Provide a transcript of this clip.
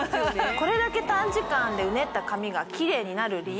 これだけ短時間でうねった髪がキレイになる理由